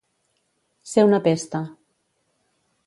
Ser una pesta.